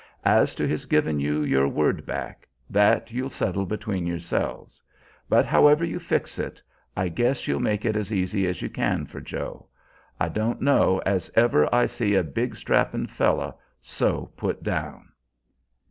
As to his givin' you your word back, that you'll settle between yourselves; but, however you fix it, I guess you'll make it as easy as you can for Joe. I don' know as ever I see a big strappin' fellow so put down."